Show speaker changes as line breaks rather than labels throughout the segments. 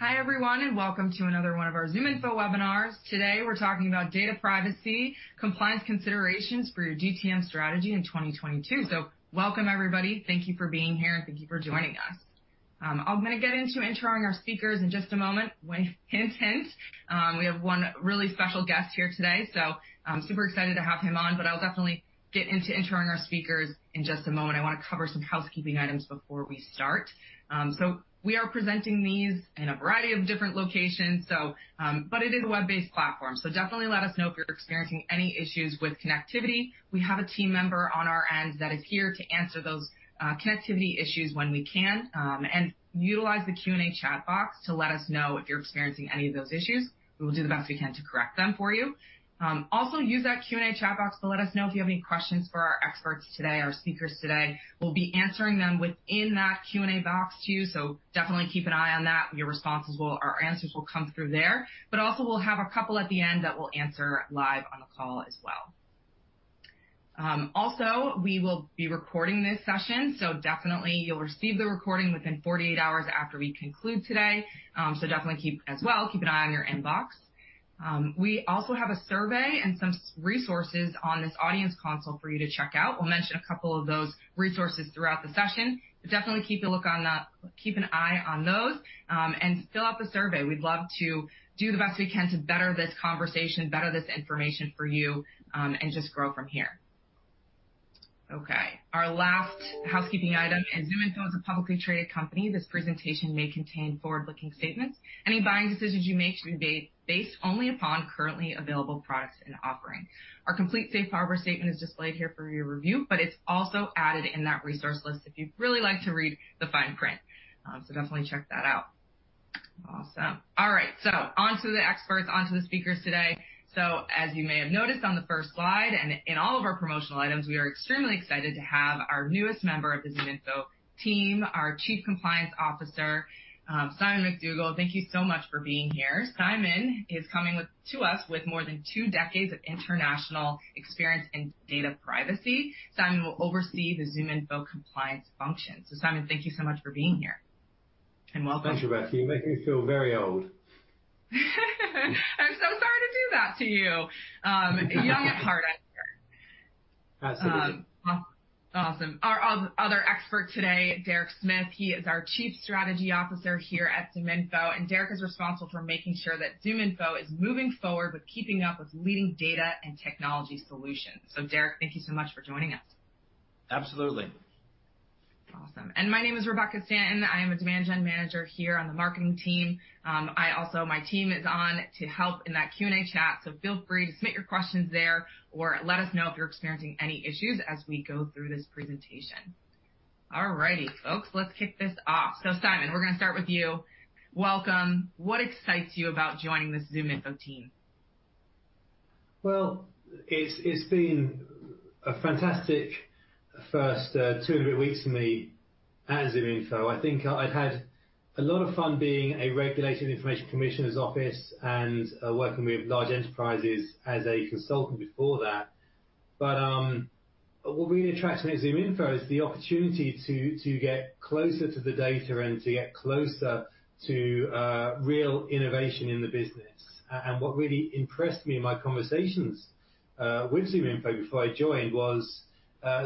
Hi, everyone, and welcome to another one of our ZoomInfo webinars. Today, we're talking about Data Privacy: Compliance Considerations for your GTM Strategy in 2022. Welcome, everybody. Thank you for being here, and thank you for joining us. I'm gonna get into introducing our speakers in just a moment. Wait, hint. We have one really special guest here today, so I'm super excited to have him on, but I'll definitely get into introducing our speakers in just a moment. I wanna cover some housekeeping items before we start. We are presenting these in a variety of different locations, so, but it is a web-based platform. Definitely let us know if you're experiencing any issues with connectivity. We have a team member on our end that is here to answer those connectivity issues when we can, and utilize the Q&A chat box to let us know if you're experiencing any of those issues. We will do the best we can to correct them for you. Also use that Q&A chat box to let us know if you have any questions for our experts today, our speakers today. We'll be answering them within that Q&A box too, so definitely keep an eye on that. Our answers will come through there. Also we'll have a couple at the end that we'll answer live on the call as well. Also, we will be recording this session, so definitely you'll receive the recording within 48 hours after we conclude today. So definitely keep an eye on your inbox. We also have a survey and some resources on this audience console for you to check out. We'll mention a couple of those resources throughout the session. Definitely keep a look on that. Keep an eye on those, and fill out the survey. We'd love to do the best we can to better this conversation, better this information for you, and just grow from here. Okay. Our last housekeeping item, as ZoomInfo is a publicly traded company, this presentation may contain forward-looking statements. Any buying decisions you make should be based only upon currently available products and offerings. Our complete Safe Harbor statement is displayed here for your review, but it's also added in that resource list if you'd really like to read the fine print. Definitely check that out. Awesome. All right. Onto the experts. Onto the speakers today. As you may have noticed on the first slide and in all of our promotional items, we are extremely excited to have our newest member of the ZoomInfo team, our Chief Compliance Officer, Simon McDougall. Thank you so much for being here. Simon is coming to us with more than two decades of international experience in data privacy. Simon will oversee the ZoomInfo compliance function. Simon, thank you so much for being here. Welcome.
Thank you, Rebecca. You make me feel very old.
I'm so sorry to do that to you. Young at heart.
Absolutely.
Awesome. Our other expert today, Derek Smith. He is our Chief Strategy Officer here at ZoomInfo, and Derek is responsible for making sure that ZoomInfo is moving forward with keeping up with leading data and technology solutions. Derek, thank you so much for joining us.
Absolutely.
Awesome. My name is Rebecca Stanton. I am a Demand Gen Manager here on the marketing team. My team is on hand to help in that Q&A chat, so feel free to submit your questions there or let us know if you're experiencing any issues as we go through this presentation. All righty, folks, let's kick this off. Simon, we're gonna start with you. Welcome. What excites you about joining the ZoomInfo team?
Well, it's been a fantastic first two weeks for me at ZoomInfo. I think I've had a lot of fun being a regulator in the Information Commissioner's Office and working with large enterprises as a consultant before that. What really attracts me to ZoomInfo is the opportunity to get closer to the data and to get closer to real innovation in the business. What really impressed me in my conversations with ZoomInfo before I joined was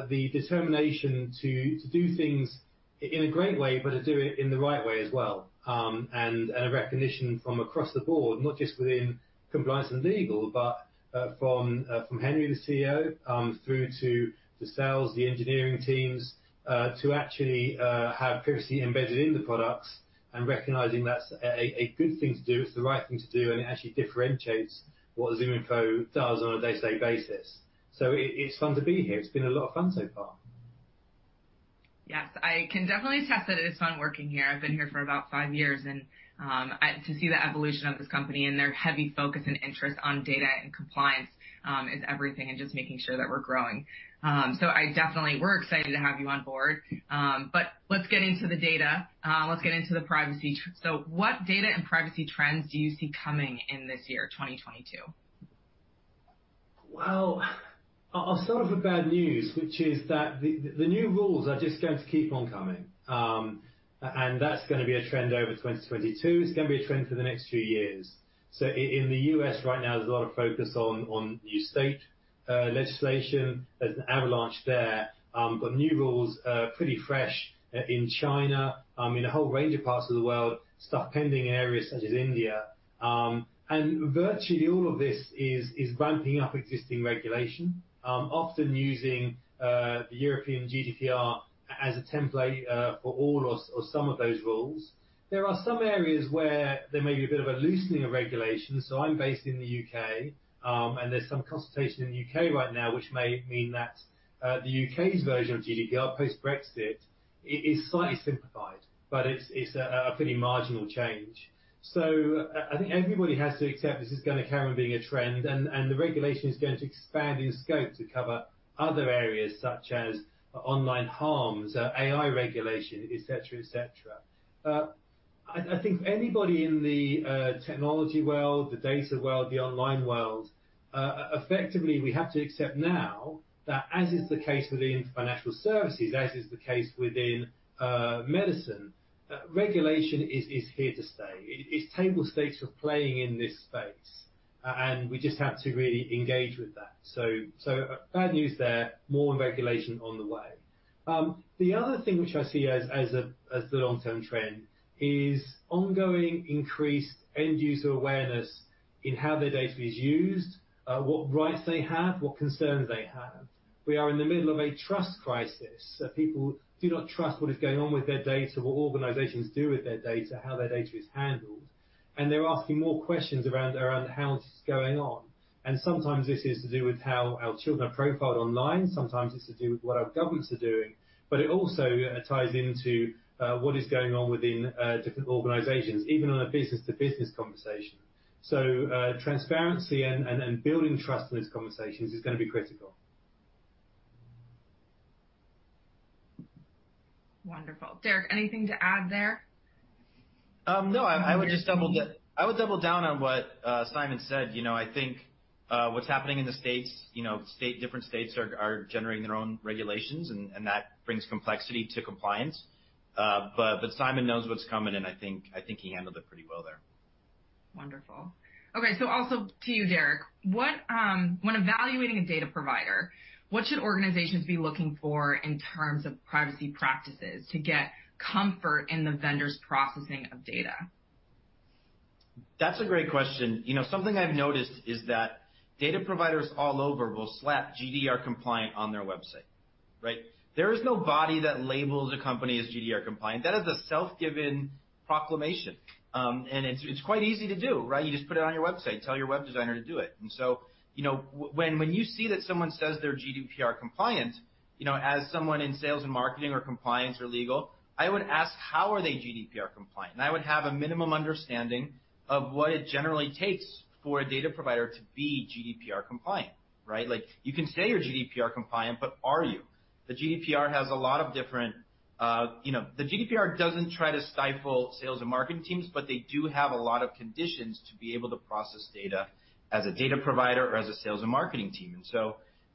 the determination to do things in a great way, but to do it in the right way as well. A recognition from across the board, not just within compliance and legal, but from Henry, the CEO, through to the sales, the engineering teams, to actually have privacy embedded in the products and recognizing that's a good thing to do, it's the right thing to do, and it actually differentiates what ZoomInfo does on a day-to-day basis. It's fun to be here. It's been a lot of fun so far.
Yes. I can definitely attest that it is fun working here. I've been here for about five years, and to see the evolution of this company and their heavy focus and interest on data and compliance is everything and just making sure that we're growing. We're excited to have you on board. But let's get into the data. Let's get into the privacy. What data and privacy trends do you see coming in this year, 2022?
Well, I'll start with the bad news, which is that the new rules are just going to keep on coming. And that's gonna be a trend over 2022. It's gonna be a trend for the next few years. In the U.S. right now, there's a lot of focus on new state legislation. There's an avalanche there. New rules are pretty fresh in China, in a whole range of parts of the world, starting in areas such as India. Virtually all of this is ramping up existing regulation, often using the European GDPR as a template for all or some of those rules. There are some areas where there may be a bit of a loosening of regulations. I'm based in the U.K., and there's some consultation in the U.K. right now, which may mean that the U.K.'s version of GDPR post-Brexit is slightly simplified, but it's a pretty marginal change. I think everybody has to accept this is gonna carry on being a trend, and the regulation is going to expand in scope to cover other areas such as online harms, AI regulation, et cetera, et cetera. I think anybody in the technology world, the data world, the online world effectively we have to accept now that, as is the case within financial services, as is the case within medicine, regulation is here to stay. It is table stakes for playing in this space. We just have to really engage with that. Bad news there, more regulation on the way. The other thing which I see as the long-term trend is ongoing increased end-user awareness in how their data is used, what rights they have, what concerns they have. We are in the middle of a trust crisis. People do not trust what is going on with their data, what organizations do with their data, how their data is handled, and they're asking more questions around how this is going on. Sometimes this is to do with how our children are profiled online. Sometimes it's to do with what our governments are doing. It also ties into what is going on within different organizations, even on a business-to-business conversation. Transparency and building trust in these conversations is gonna be critical.
Wonderful. Derek, anything to add there?
No. I would just double down on what Simon said. You know, I think what's happening in the States, you know, different states are generating their own regulations and that brings complexity to compliance. But Simon knows what's coming in. I think he handled it pretty well there.
Wonderful. Okay, also to you, Derek. When evaluating a data provider, what should organizations be looking for in terms of privacy practices to get comfort in the vendor's processing of data?
That's a great question. You know, something I've noticed is that data providers all over will slap GDPR compliant on their website, right? There is no body that labels a company as GDPR compliant. That is a self-given proclamation. It's quite easy to do, right? You just put it on your website, tell your web designer to do it. You know, when you see that someone says they're GDPR compliant, you know, as someone in sales and marketing or compliance or legal, I would ask, "How are they GDPR compliant?" I would have a minimum understanding of what it generally takes for a data provider to be GDPR compliant, right? Like, you can say you're GDPR compliant, but are you? The GDPR has a lot of different, you know. The GDPR doesn't try to stifle sales and marketing teams, but they do have a lot of conditions to be able to process data as a data provider or as a sales and marketing team.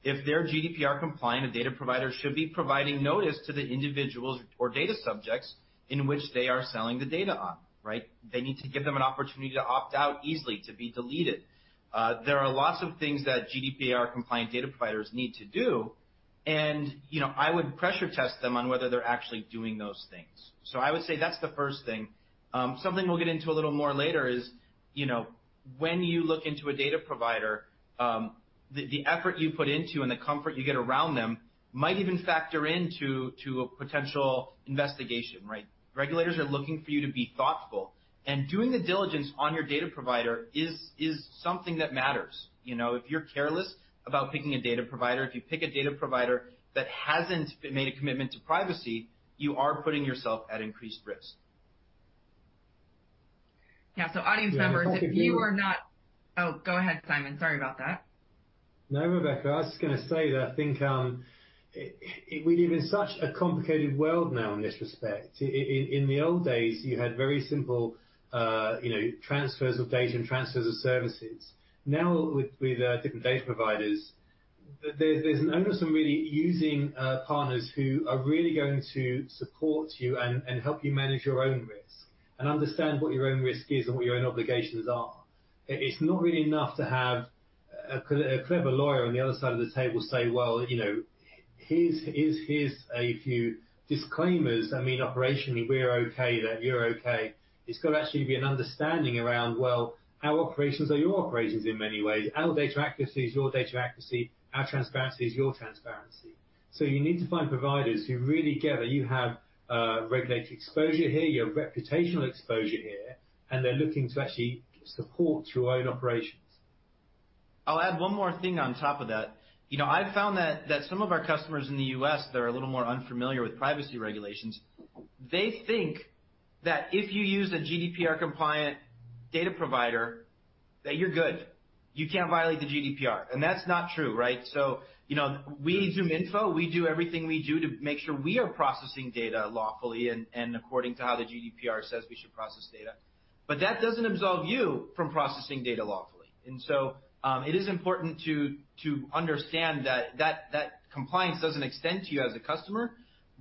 If they're GDPR compliant, a data provider should be providing notice to the individuals or data subjects in which they are selling the data on, right? They need to give them an opportunity to opt out easily, to be deleted. There are lots of things that GDPR compliant data providers need to do, and, you know, I would pressure test them on whether they're actually doing those things. I would say that's the first thing. Something we'll get into a little more later is, you know, when you look into a data provider, the effort you put into and the comfort you get around them might even factor into a potential investigation, right? Regulators are looking for you to be thoughtful. Doing the diligence on your data provider is something that matters. You know, if you're careless about picking a data provider, if you pick a data provider that hasn't made a commitment to privacy, you are putting yourself at increased risk.
Yeah. Audience members.
Yeah. I think if you-
Oh, go ahead, Simon. Sorry about that.
No, Rebecca, I was just gonna say that I think we live in such a complicated world now in this respect. In the old days, you had very simple, you know, transfers of data and transfers of services. Now with different data providers, there's an onus on really using partners who are really going to support you and help you manage your own risk and understand what your own risk is and what your own obligations are. It's not really enough to have a clever lawyer on the other side of the table say, "Well, you know, here's a few disclaimers. I mean, operationally, we're okay, that you're okay." It's got to actually be an understanding around, well, our operations are your operations in many ways. Our data accuracy is your data accuracy, our transparency is your transparency. You need to find providers who really get that you have regulated exposure here, you have reputational exposure here, and they're looking to actually support your own operations.
I'll add one more thing on top of that. You know, I've found that some of our customers in the U.S. that are a little more unfamiliar with privacy regulations, they think that if you use a GDPR compliant data provider, that you're good, you can't violate the GDPR. That's not true, right? You know, we at ZoomInfo, we do everything we do to make sure we are processing data lawfully and according to how the GDPR says we should process data. That doesn't absolve you from processing data lawfully. It is important to understand that compliance doesn't extend to you as a customer.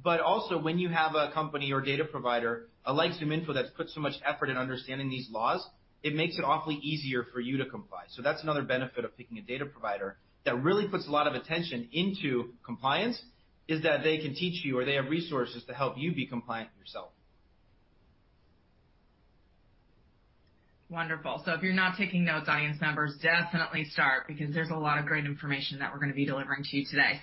Also, when you have a company or data provider like ZoomInfo that's put so much effort in understanding these laws, it makes it awfully easier for you to comply. That's another benefit of picking a data provider that really puts a lot of attention into compliance, is that they can teach you or they have resources to help you be compliant yourself.
Wonderful. If you're not taking notes, audience members, definitely start because there's a lot of great information that we're gonna be delivering to you today.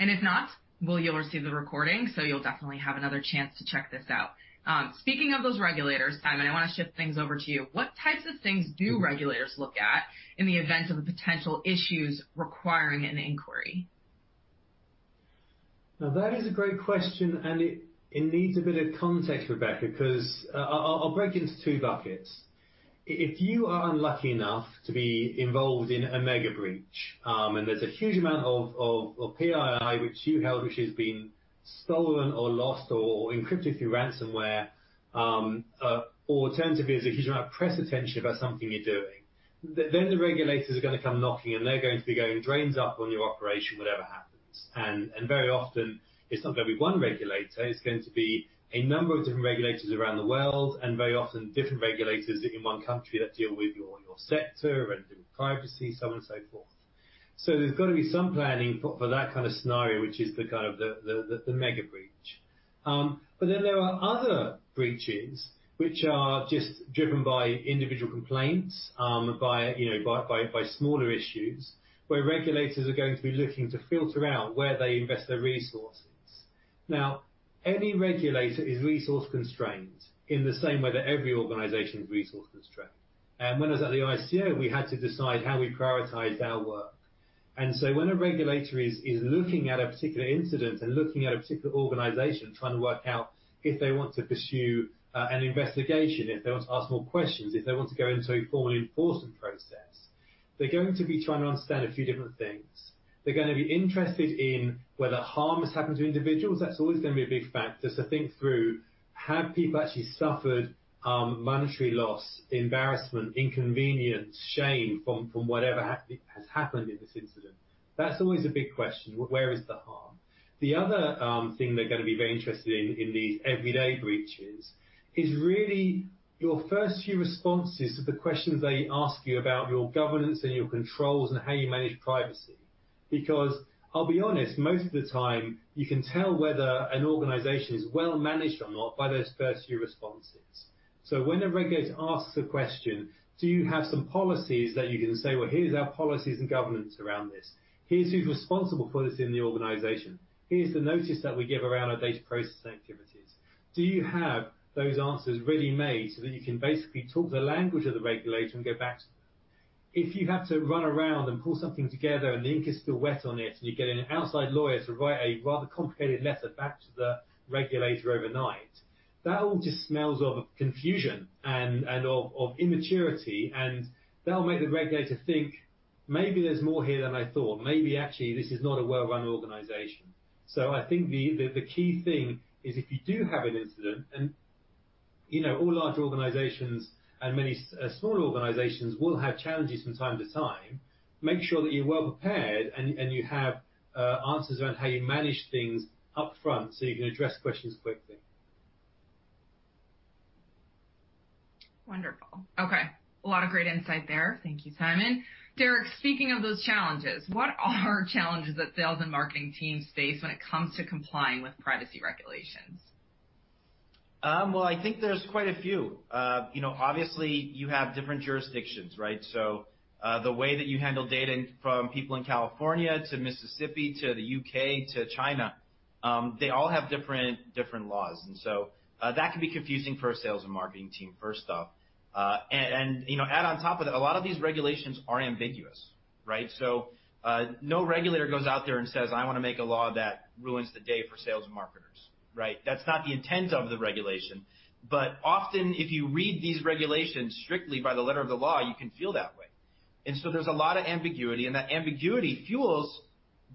If not, well, you'll receive the recording, so you'll definitely have another chance to check this out. Speaking of those regulators, Simon, I wanna shift things over to you. What types of things do regulators look at in the event of potential issues requiring an inquiry?
Now, that is a great question, and it needs a bit of context, Rebecca, 'cause I'll break it into two buckets. If you are unlucky enough to be involved in a mega breach, and there's a huge amount of PII which you held, which has been stolen or lost or encrypted through ransomware, or alternatively, if you have press attention about something you're doing, then the regulators are gonna come knocking, and they're going to be going, "Drill down on your operation, whatever happens." Very often, it's not gonna be one regulator, it's going to be a number of different regulators around the world, and very often different regulators in one country that deal with your sector and deal with privacy, so on and so forth. There's gotta be some planning for that kind of scenario, which is the kind of mega breach. But then there are other breaches which are just driven by individual complaints, by you know, by smaller issues, where regulators are going to be looking to filter out where they invest their resources. Now, any regulator is resource constrained in the same way that every organization is resource constrained. When I was at the ICO, we had to decide how we prioritize our work. When a regulator is looking at a particular incident and looking at a particular organization, trying to work out if they want to pursue an investigation, if they want to ask more questions, if they want to go into a formal enforcement process, they're going to be trying to understand a few different things. They're gonna be interested in whether harm has happened to individuals. That's always gonna be a big factor to think through. Have people actually suffered monetary loss, embarrassment, inconvenience, shame from whatever has happened in this incident? That's always a big question, where is the harm? The other thing they're gonna be very interested in in these everyday breaches is really your first few responses to the questions they ask you about your governance and your controls and how you manage privacy. Because I'll be honest, most of the time you can tell whether an organization is well managed or not by those first few responses. When a regulator asks a question, "Do you have some policies?" That you can say, "Well, here's our policies and governance around this. Here's who's responsible for this in the organization. Here's the notice that we give around our data processing activities." Do you have those answers ready-made so that you can basically talk the language of the regulator and get back to them? If you have to run around and pull something together, and the ink is still wet on it, and you get an outside lawyer to write a rather complicated letter back to the regulator overnight, that all just smells of confusion and of immaturity, and that'll make the regulator think, "Maybe there's more here than I thought. Maybe actually, this is not a well-run organization. I think the key thing is if you do have an incident, and you know, all large organizations and many small organizations will have challenges from time-to-time, make sure that you're well prepared and you have answers around how you manage things up front so you can address questions quickly.
Wonderful. Okay. A lot of great insight there. Thank you, Simon. Derek, speaking of those challenges, what are challenges that sales and marketing teams face when it comes to complying with privacy regulations?
Well, I think there's quite a few. You know, obviously you have different jurisdictions, right? The way that you handle data from people in California to Mississippi to the U.K. to China, they all have different laws. That can be confusing for a sales and marketing team, first off. You know, add on top of that, a lot of these regulations are ambiguous, right? No regulator goes out there and says, "I wanna make a law that ruins the day for sales and marketers," right? That's not the intent of the regulation. Often, if you read these regulations strictly by the letter of the law, you can feel that way. There's a lot of ambiguity, and that ambiguity fuels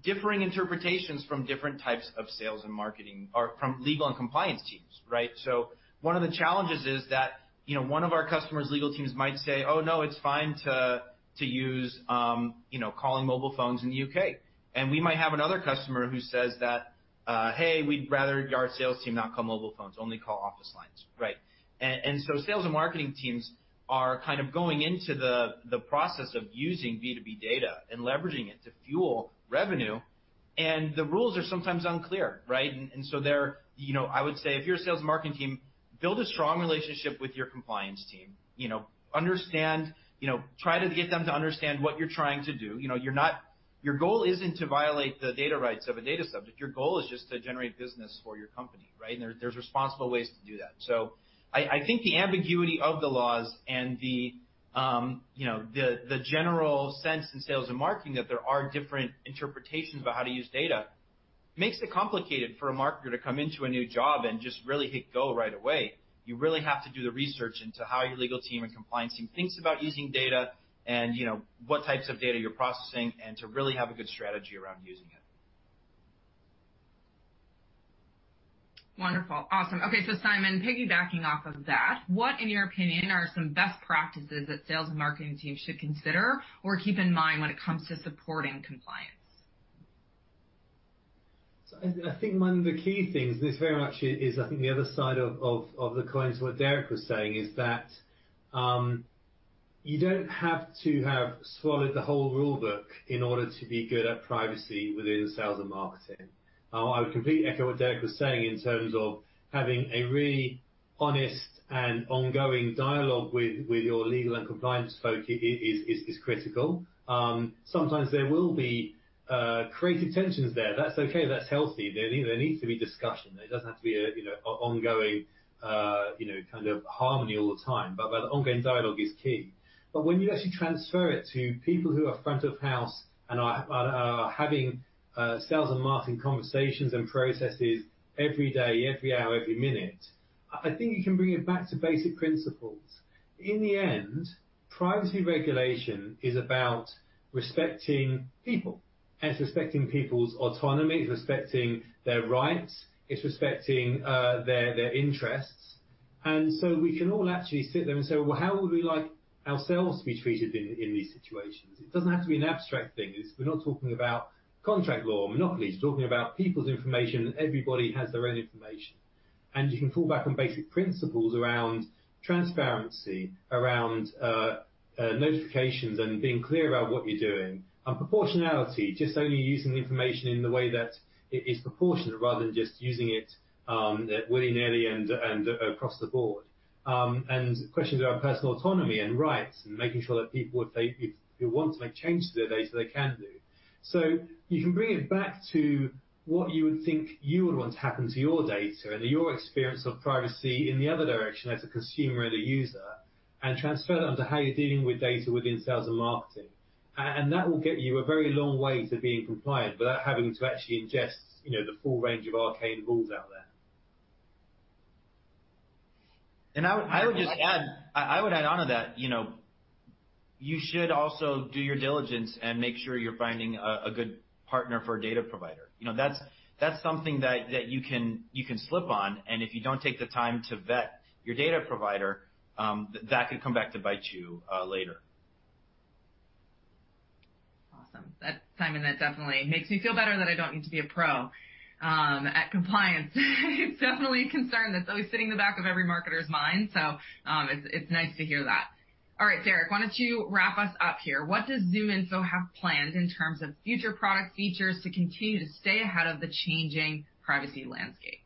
differing interpretations from different types of sales and marketing or from legal and compliance teams, right? One of the challenges is that, you know, one of our customer's legal teams might say, "Oh, no, it's fine to use, you know, calling mobile phones in the U.K." We might have another customer who says that, "Hey, we'd rather our sales team not call mobile phones, only call office lines." Right. Sales and marketing teams are kind of going into the process of using B2B data and leveraging it to fuel revenue, and the rules are sometimes unclear, right? You know, I would say if you're a sales and marketing team, build a strong relationship with your compliance team. You know, try to get them to understand what you're trying to do. You know, Your goal isn't to violate the data rights of a data subject. Your goal is just to generate business for your company, right? There's responsible ways to do that. I think the ambiguity of the laws and the, you know, the general sense in sales and marketing that there are different interpretations about how to use data makes it complicated for a marketer to come into a new job and just really hit go right away. You really have to do the research into how your legal team and compliance team thinks about using data and, you know, what types of data you're processing and to really have a good strategy around using it.
Wonderful. Awesome. Okay. Simon, piggybacking off of that, what, in your opinion, are some best practices that sales and marketing teams should consider or keep in mind when it comes to supporting compliance?
I think one of the key things, this very much is, I think, the other side of the coin to what Derek was saying, is that you don't have to have swallowed the whole rule book in order to be good at privacy within sales and marketing. I would completely echo what Derek was saying in terms of having a really honest and ongoing dialogue with your legal and compliance folk is critical. Sometimes there will be creative tensions there. That's okay. That's healthy. There needs to be discussion. There doesn't have to be a you know ongoing you know kind of harmony all the time. The ongoing dialogue is key. When you actually transfer it to people who are front of house and are having sales and marketing conversations and processes every day, every hour, every minute. I think you can bring it back to basic principles. In the end, privacy regulation is about respecting people and respecting people's autonomy, respecting their rights. It's respecting their interests. And so we can all actually sit there and say, "Well, how would we like ourselves to be treated in these situations?" It doesn't have to be an abstract thing. It's. We're not talking about contract law or monopolies. We're talking about people's information. Everybody has their own information. And you can fall back on basic principles around transparency, around notifications and being clear about what you're doing. Proportionality, just only using the information in the way that it is proportionate rather than just using it, willy-nilly and across the board. Questions around personal autonomy and rights and making sure that people, if they want to make changes to their data, they can do. You can bring it back to what you would think you would want to happen to your data and your experience of privacy in the other direction as a consumer and a user, and transfer that onto how you're dealing with data within sales and marketing. That will get you a very long way to being compliant without having to actually ingest, you know, the full range of arcane rules out there.
I would just add on to that, you know, you should also do your diligence and make sure you're finding a good partner for a data provider. You know, that's something that you can slip on, and if you don't take the time to vet your data provider, that could come back to bite you later.
Awesome. That, Simon, that definitely makes me feel better that I don't need to be a pro at compliance. It's definitely a concern that's always sitting in the back of every marketer's mind, so it's nice to hear that. All right, Derek, why don't you wrap us up here. What does ZoomInfo have planned in terms of future product features to continue to stay ahead of the changing privacy landscape?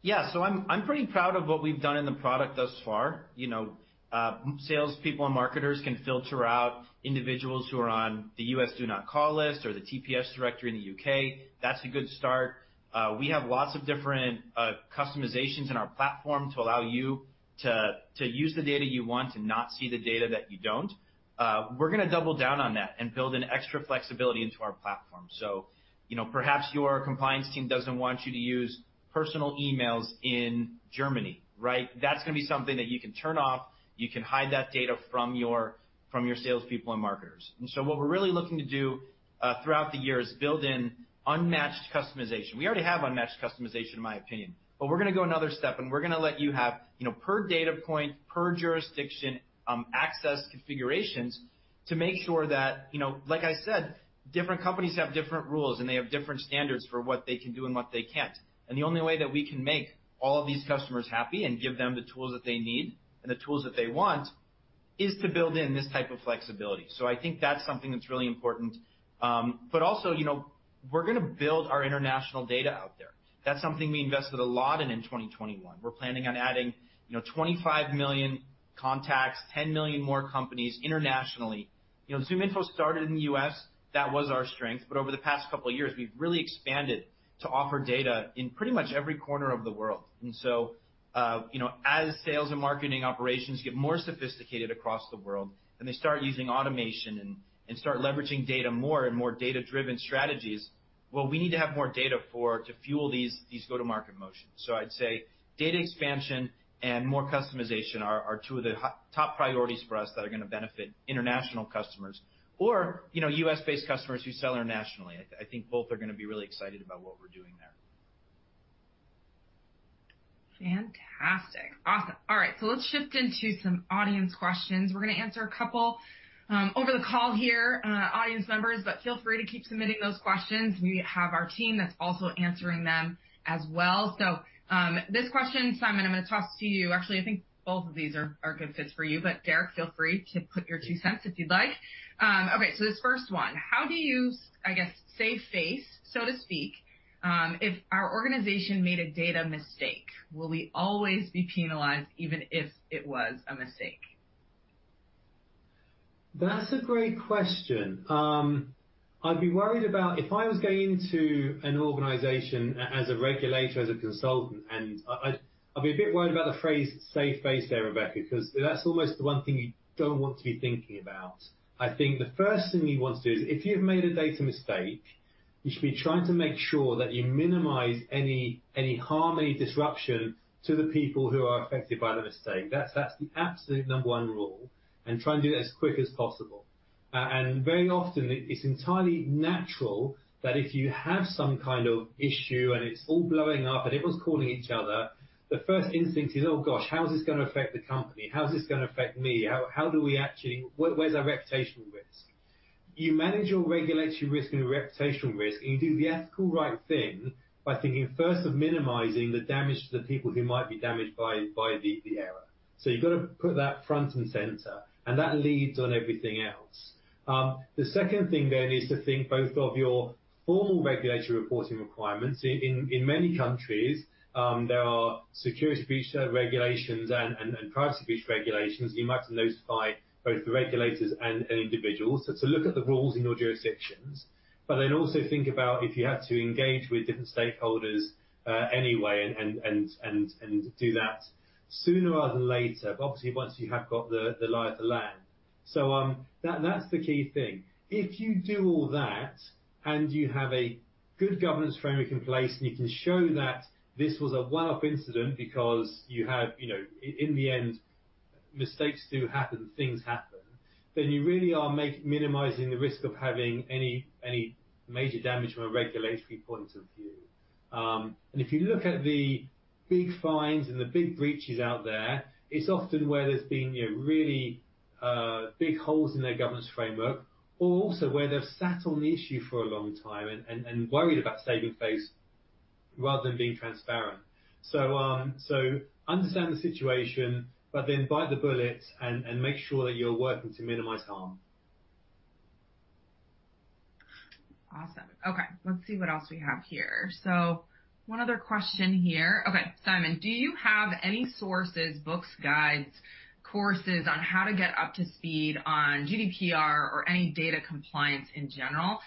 Yeah. I'm pretty proud of what we've done in the product thus far. You know, salespeople and marketers can filter out individuals who are on the National Do Not Call Registry or the TPS directory in the U.K. That's a good start. We have lots of different customizations in our platform to allow you to use the data you want and not see the data that you don't. We're gonna double down on that and build in extra flexibility into our platform. You know, perhaps your compliance team doesn't want you to use personal emails in Germany, right? That's gonna be something that you can turn off. You can hide that data from your salespeople and marketers. What we're really looking to do throughout the year is build in unmatched customization. We already have unmatched customization, in my opinion, but we're gonna go another step, and we're gonna let you have, you know, per data point, per jurisdiction, access configurations to make sure that you know, like I said, different companies have different rules, and they have different standards for what they can do and what they can't. The only way that we can make all of these customers happy and give them the tools that they need and the tools that they want is to build in this type of flexibility. I think that's something that's really important. But also, you know, we're gonna build our international data out there. That's something we invested a lot in in 2021. We're planning on adding, you know, 25 million contacts, 10 million more companies internationally. You know, ZoomInfo started in the U.S. That was our strength. Over the past couple of years, we've really expanded to offer data in pretty much every corner of the world. You know, as sales and marketing operations get more sophisticated across the world, and they start using automation and start leveraging data more and more data-driven strategies, well, we need to have more data to fuel these go-to-market motions. I'd say data expansion and more customization are two of the top priorities for us that are gonna benefit international customers or, you know, U.S.-based customers who sell internationally. I think both are gonna be really excited about what we're doing there.
Fantastic. Awesome. All right, let's shift into some audience questions. We're gonna answer a couple, over the call here, audience members, but feel free to keep submitting those questions. We have our team that's also answering them as well. This question, Simon, I'm gonna toss to you. Actually, I think both of these are good fits for you. Derek, feel free to put your two cents if you'd like. Okay, so this first one: How do you, I guess, save face, so to speak, if our organization made a data mistake? Will we always be penalized even if it was a mistake?
That's a great question. I'd be worried about if I was going into an organization as a regulator, as a consultant, and I'd be a bit worried about the phrase save face there, Rebecca, 'cause that's almost the one thing you don't want to be thinking about. I think the first thing you want to do is if you've made a data mistake, you should be trying to make sure that you minimize any harm, any disruption to the people who are affected by the mistake. That's the absolute number one rule, and try and do that as quick as possible. Very often it's entirely natural that if you have some kind of issue and it's all blowing up and everyone's calling each other, the first instinct is, "Oh, gosh, how is this gonna affect the company? How is this gonna affect me? How do we actually? What, where's our reputational risk?" You manage your regulatory risk and your reputational risk, and you do the ethical right thing by thinking first of minimizing the damage to the people who might be damaged by the error. You've got to put that front and center, and that leads on everything else. The second thing then is to think both of your formal regulatory reporting requirements. In many countries, there are security breach regulations and privacy breach regulations. You might have to notify both the regulators and individuals. To look at the rules in your jurisdictions, but then also think about if you had to engage with different stakeholders, anyway and do that sooner rather than later. Obviously, once you have got the lie of the land, that's the key thing. If you do all that and you have a good governance framework in place, and you can show that this was a one-off incident because you had, you know, in the end, mistakes do happen, things happen, then you really are minimizing the risk of having any major damage from a regulatory point of view. If you look at the big fines and the big breaches out there, it's often where there's been, you know, really big holes in their governance framework or also where they've sat on the issue for a long time and worried about saving face rather than being transparent. Understand the situation, but then bite the bullet and make sure that you're working to minimize harm.
Awesome. Okay, let's see what else we have here. One other question here. Okay. Simon, do you have any sources, books, guides, courses on how to get up to speed on GDPR or any data compliance in general?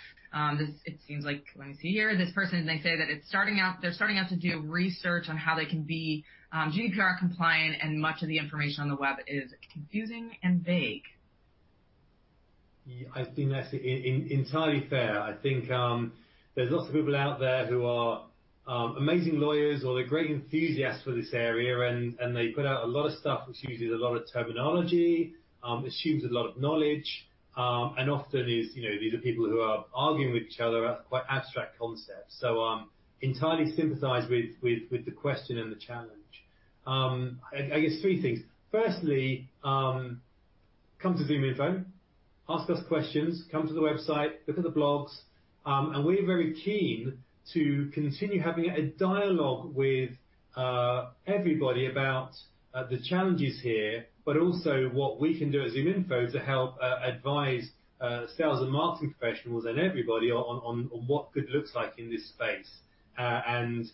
This person they say that it's starting out. They're starting out to do research on how they can be GDPR compliant, and much of the information on the web is confusing and vague.
Yeah. I think that's entirely fair. I think, there's lots of people out there who are amazing lawyers or they're great enthusiasts for this area and they put out a lot of stuff which uses a lot of terminology, assumes a lot of knowledge, and often is, you know, these are people who are arguing with each other about quite abstract concepts. I entirely sympathize with the question and the challenge. I guess three things. Firstly, come to ZoomInfo, ask us questions, come to the website, look at the blogs. We're very keen to continue having a dialogue with everybody about the challenges here, but also what we can do as ZoomInfo to help advise sales and marketing professionals and everybody on what good looks like in this space. I'm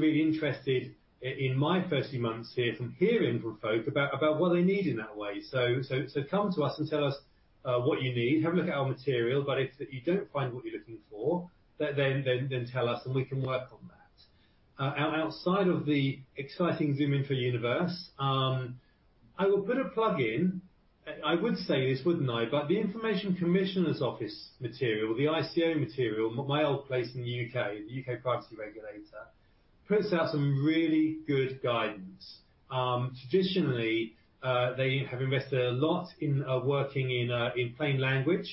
really interested in my first few months here from hearing from folk about what they need in that way. Come to us and tell us what you need. Have a look at our material, but if you don't find what you're looking for, then tell us, and we can work on that. Outside of the exciting ZoomInfo universe, I will put in a plug. I would say this, wouldn't I? The Information Commissioner's Office material, the ICO material, my old place in the U.K., the U.K. privacy regulator, puts out some really good guidance. Traditionally, they have invested a lot in working in plain language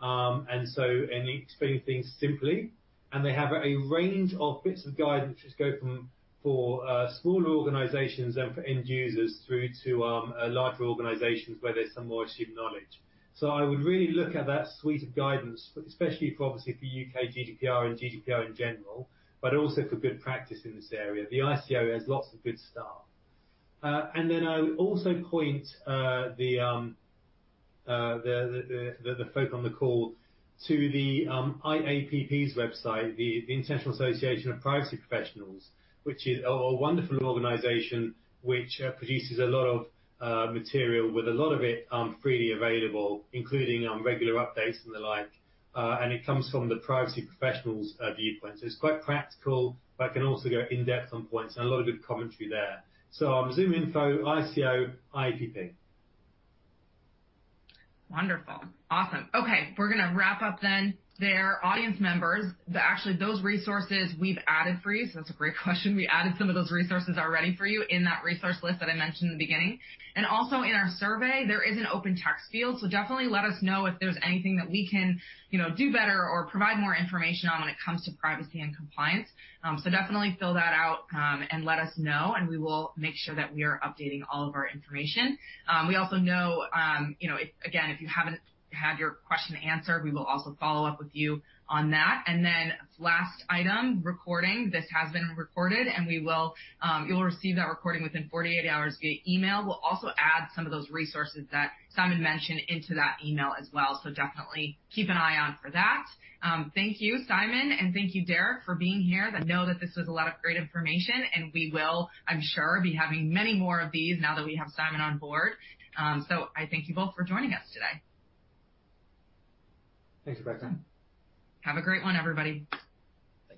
and explaining things simply. They have a range of bits of guidance which go from for smaller organizations and for end users through to larger organizations where there's some more assumed knowledge. I would really look at that suite of guidance, especially for obviously for U.K. GDPR and GDPR in general, but also for good practice in this area. The ICO has lots of good stuff. Then I would also point the folk on the call to the IAPP's website, the International Association of Privacy Professionals, which is a wonderful organization which produces a lot of material with a lot of it freely available, including regular updates and the like. It comes from the privacy professional's viewpoint. It's quite practical, but it can also go in-depth on points and a lot of good commentary there. ZoomInfo, ICO, IAPP.
Wonderful. Awesome. Okay, we're gonna wrap up then there, audience members. Actually, those resources we've added for you, so that's a great question. We added some of those resources already for you in that resource list that I mentioned in the beginning. Also in our survey, there is an open text field. Definitely let us know if there's anything that we can, you know, do better or provide more information on when it comes to privacy and compliance. Definitely fill that out, and let us know, and we will make sure that we are updating all of our information. We also know, you know, if, again, if you haven't had your question answered, we will also follow up with you on that. Last item, recording. This has been recorded, and we will, you'll receive that recording within 48 hours via email. We'll also add some of those resources that Simon mentioned into that email as well. Definitely keep an eye out for that. Thank you, Simon, and thank you, Derek, for being here. I know that this was a lot of great information, and we will, I'm sure, be having many more of these now that we have Simon on board. I thank you both for joining us today.
Thanks, Rebecca.
Have a great one, everybody.